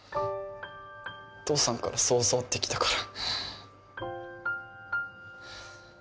父さんからそう教わってきたから